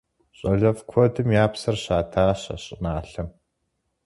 ЩӀалэфӀ куэдым я псэр щатащ а щӀыналъэм.